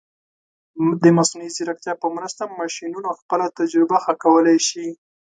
د مصنوعي ځیرکتیا په مرسته، ماشینونه خپله تجربه ښه کولی شي.